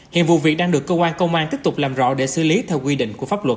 hiện vụ việc đang được cơ quan công an tiếp tục làm rõ để xử lý theo quy định của pháp luật